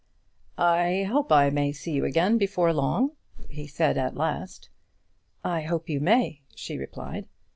"I hope I may see you again before long," he said at last. "I hope you may," she replied.